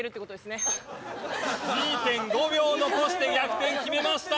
２．５秒残して逆転決めました。